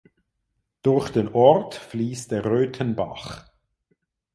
Durch den Ort fließt der Röthenbach.